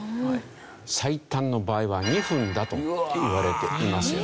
最短の場合は２分だといわれていますよね。